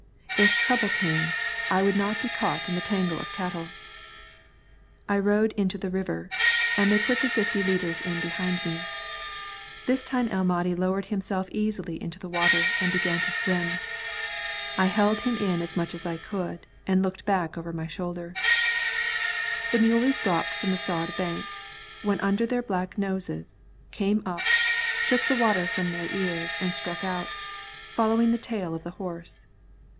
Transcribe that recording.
If trouble came, I would not be caught in the tangle of cattle. I rode into the river, and they put the fifty leaders in behind me. This time El Mahdi lowered himself easily into the water and began to swim. I held him in as much as I could, and looked back over my shoulder. The muleys dropped from the sod bank, went under to their black noses, came up, shook the water from their ears, and struck out, following the tail of the horse.